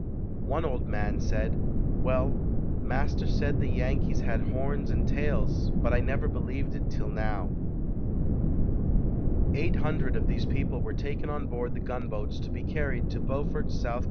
One old man said, "Well, Master said the Yankees had horns and tails but I never believed it till now". Eight hundred of these people were taken on board the gunboats to be carried to Beaufort, S. C.